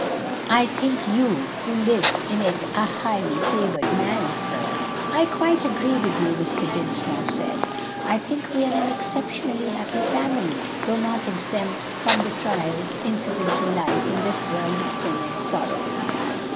I think you who live in it a highly favored man, sir!" "I quite agree with you," Mr. Dinsmore said "I think we are an exceptionally happy family, though not exempt from the trials incident to life in this world of sin and sorrow."